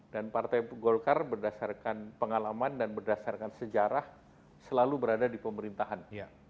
dan partai golkar berdasarkan pengalaman dan berdasarkan sejarah selalu berada di pemerintahan